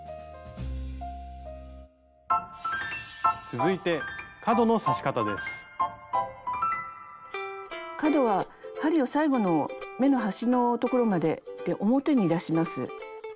続いて角は針を最後の目の端の所までで表に出します。